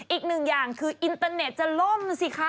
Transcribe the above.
อีกหนึ่งอย่างคืออินเตอร์เน็ตจะล่มสิคะ